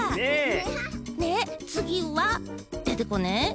つぎはデテコね。